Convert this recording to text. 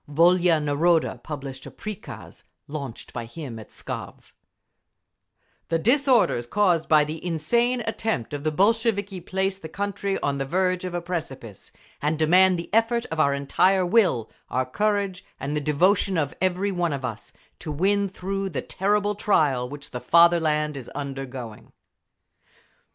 Volia Naroda published a prikaz launched by him at Pskov: The disorders caused by the insane attempt of the Bolsheviki place the country on the verge of a precipice, and demand the effort of our entire will, our courage and the devotion of every one of us, to win through the terrible trial which the fatherland is undergoing….